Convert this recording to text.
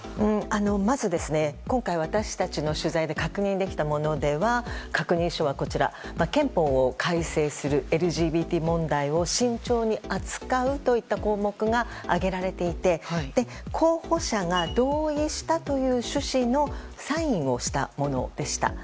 まず今回、私たちの取材で確認できたものでは確認書は、憲法を改正するＬＧＢＴ問題を慎重に扱うといった項目が挙げられていて、候補者が同意したという趣旨のサインをしたものでした。